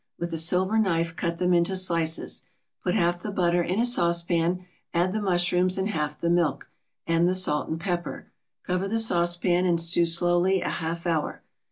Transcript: With a silver knife cut them into slices. Put half the butter in a saucepan, add the mushrooms and half the milk, and the salt and pepper. Cover the saucepan, and stew slowly a half hour.